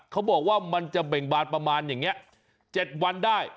เขาบอกว่ามันจะเบ่งบานประมาณอย่างนี้๗วันได้